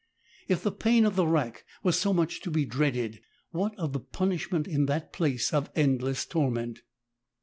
If the pain of the rack was so much to be dreaded, what of the punish ment in that place ol endless torment